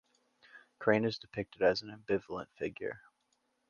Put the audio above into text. Crane is depicted as an ambivalent figure.